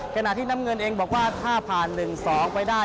ขณะที่น้ำเงินเองบอกว่าถ้าผ่าน๑๒ไปได้